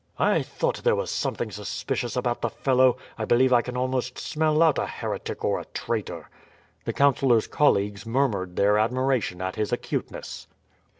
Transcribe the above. "I thought there was something suspicious about the fellow. I believe I can almost smell out a heretic or a traitor." The councillor's colleagues murmured their admiration at his acuteness.